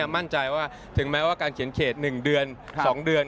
มั่นใจว่าถึงแม้ว่าการเขียนเขต๑เดือน๒เดือน